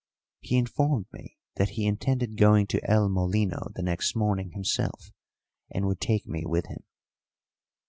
He informed me that he intended going to El Molino the next morning himself and would take me with him.